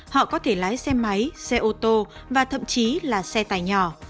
họ có thể lái xe máy xe ô tô và thậm chí là xe tài nhỏ